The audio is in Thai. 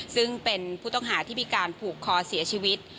ซึ่งเป็นผู้ต้องหาที่มีการผูกคอเสียชีวิต